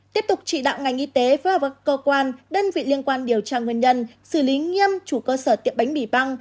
tiếp tục trị đạo ngành y tế phối hợp với các cơ quan đơn vị liên quan điều tra nguyên nhân